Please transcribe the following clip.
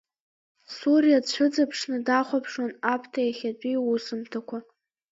Суриа дцәыҵыԥшны дахәаԥшуан Аԥҭа иахьатәи иусумҭақәа.